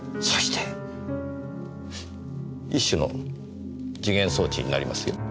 一種の時限装置になりますよ。